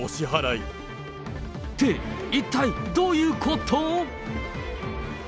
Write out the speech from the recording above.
って、一体どういうこと？